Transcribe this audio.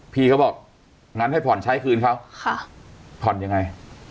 พี่เขาบอกงั้นให้ผ่อนใช้คืนเขาผ่อนยังไง